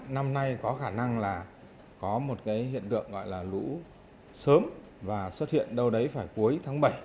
năm nay có khả năng là có một cái hiện tượng gọi là lũ sớm và xuất hiện đâu đấy phải cuối tháng bảy